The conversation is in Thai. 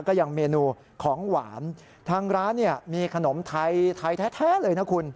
ก็ยังเมนูของหวานทางร้านเนี่ยมีขนมไทยไทยแท้เลยนะคุณ